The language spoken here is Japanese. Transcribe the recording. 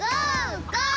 ゴー！